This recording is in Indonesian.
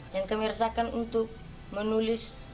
yang kami rasakan untuk menulis